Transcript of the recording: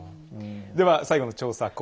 では最後の調査項目。